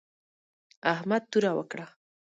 احمد توره کړه.